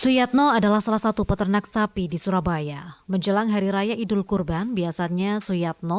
suyatno adalah salah satu peternak sapi di surabaya menjelang hari raya idul kurban biasanya suyatno